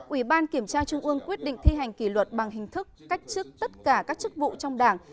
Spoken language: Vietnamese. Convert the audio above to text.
ủy ban kiểm tra trung ương quyết định thi hành kỷ luật bằng hình thức cách chức tất cả các chức vụ trong đảng